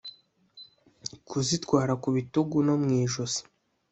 Kuzitwara ku bitugu no mu ijosi